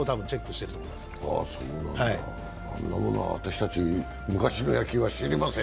あんなものは私たち昔の野球は知りません。